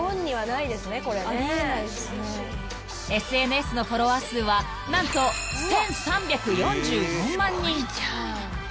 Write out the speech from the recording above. ［ＳＮＳのフォロワー数は何と１，３４４万人］